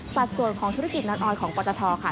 สัดส่วนของธุรกิจน้อนออยล์ของปตทค่ะ